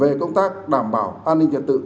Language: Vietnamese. về công tác đảm bảo an ninh trật tự